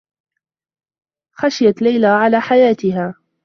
خشيت ليلى على حياتها.